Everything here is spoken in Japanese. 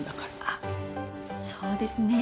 あっそうですね。